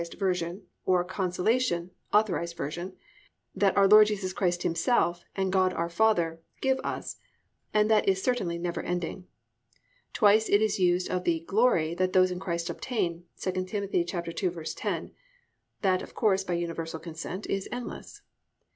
V.) or "consolation" (A. V.) that "our Lord Jesus Christ Himself, and God our Father" give us, and that is certainly never ending. Twice it is used of the "glory" that those in Christ obtain (II Tim. 2:10). That, of course, by universal consent is endless.